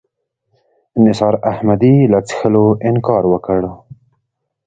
نثار احمدي له څښلو انکار وکړ.